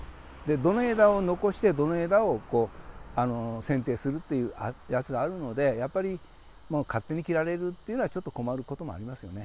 どの枝を残してどの枝をせんていするっていうやつがあるので、やっぱり、勝手に切られるっていうのはちょっと困ることがありますよね。